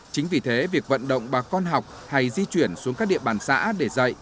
chính vì thế việc vận động bà con học hay di chuyển xuống các địa bàn xã để dạy